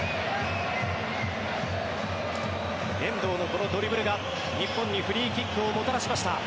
遠藤のこのドリブルが日本にフリーキックをもたらしました。